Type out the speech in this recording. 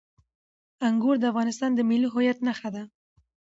انګور د افغانستان د ملي هویت نښه ده.